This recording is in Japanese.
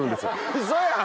ウソやん！